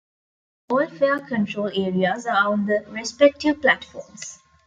All fare control areas are on the respective platforms.